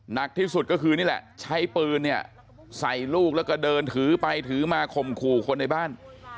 หนักที่สุดก็คือนี่แหละใช้ปืนเนี่ยใส่ลูกแล้วก็เดินถือไปถือมาข่มขู่คนในบ้าน